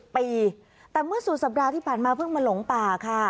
ปีแต่เมื่อสุดสัปดาห์ที่ผ่านมาเพิ่งมาหลงป่าค่ะ